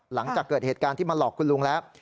หลังจากเกิดเหตุการณ์ที่มาหลอกคุณลุงแล้ว